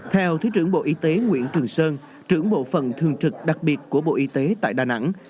theo thứ trưởng bộ y tế nguyễn trường sơn trưởng bộ phần thường trực đặc biệt của bộ y tế tại đà nẵng